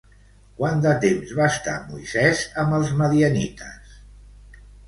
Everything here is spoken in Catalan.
Quant de temps va estar Moisès amb els madianites?